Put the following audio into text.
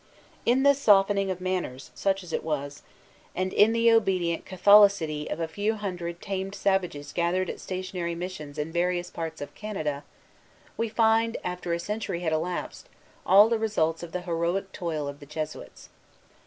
In this softening of manners, such as it was, and in the obedient Catholicity of a few hundred tamed savages gathered at stationary missions in various parts of Canada, we find, after a century had elapsed, all the results of the heroic toil of the Jesuits.